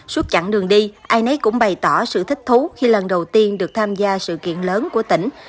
suốt chặng đường đi ai nấy cũng bày tỏ sự thích thú khi lần đầu tiên được tham gia sự kiện lớn của tỉnh